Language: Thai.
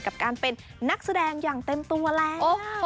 กับการเป็นนักแสดงอย่างเต็มตัวแล้ว